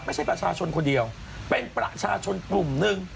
ประชาชนคนเดียวเป็นประชาชนกลุ่มหนึ่ง